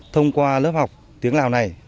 thông qua lớp học tiếng lào này